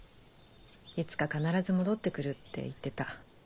いつか必ず戻って来るって言ってた。